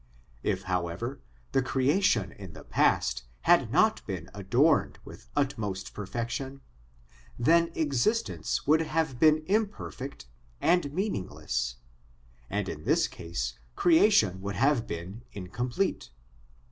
If, however, the creation in the past had not been 206 SOME ANSWERED QUESTIONS adorned with utmost perfection, then existence would have been imperfect and meaningless, and in this case creation would have been incomplete.